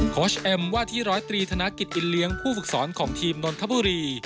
คอร์ชเอ็มวาที๑๐๓ธนาคิดอินเลี้ยงผู้ฝึกศรของทีมนทบุรี